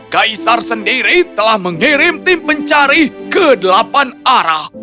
kaisar sendiri telah mengirim tim pencari ke delapan arah